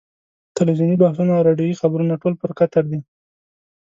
تلویزیوني بحثونه او راډیویي خبرونه ټول پر قطر دي.